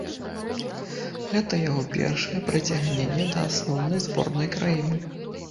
Гэта яго першае прыцягненне да асноўнай зборнай краіны.